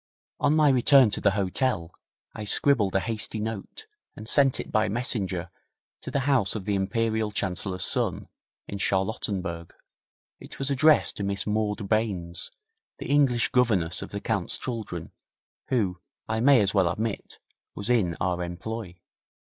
On my return to the hotel I scribbled a hasty note and sent it by messenger to the house of the Imperial Chancellor's son in Charlottenburg. It was addressed to Miss Maud Baines, the English governess of the Count's children, who, I may as well admit, was in our employ.